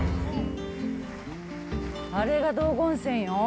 あれが道後温泉よ。